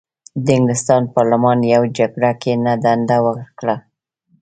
د انګلستان پارلمان یوې جرګه ګۍ ته دنده ورکړه.